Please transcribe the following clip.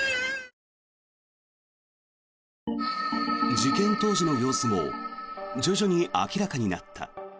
事件当時の様子も徐々に明らかになった。